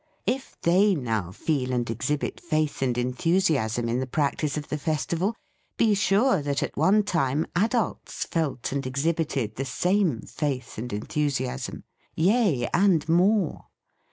If they now feel and exhibit faith and enthusiasm in the practice of the festival, be sure that, at one time, adults felt and ex hibited the same faith and enthusiasm — yea, and more!